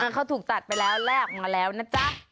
เขาถูกตัดไปแล้วแลกออกมาแล้วนะจ๊ะ